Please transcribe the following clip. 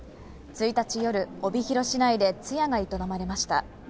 １日夜、帯広市内で通夜が営まれました。